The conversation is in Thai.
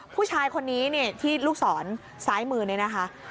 ผู้ชายคนนี้ที่ลูกศรซ้ายมือนี้นะคะ